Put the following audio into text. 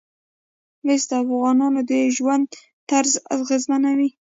مس د افغانانو د ژوند طرز اغېزمنوي.